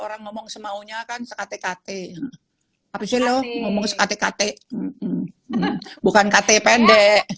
orang ngomong semaunya akan sekatekate apa sih lo ngomong sekatekate bukan ktpd